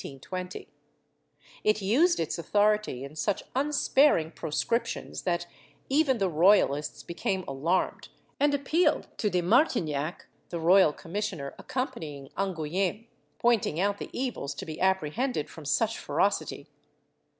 448 DECADENCE AND EXTINCTION [Book IX used its authority in such unsparing proscriptions that even the royalists became alarmed and appealed to de Martignac, the royal commissioner accompanying Angouleme, pointing out the evils to be apprehended from such ferocity.